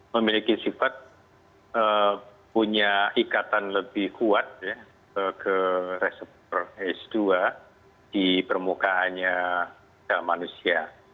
memiliki sifat punya ikatan lebih kuat ke reseptor s dua di permukaannya manusia